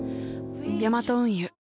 ヤマト運輸